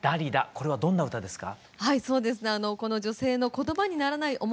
これはどんな歌ですか？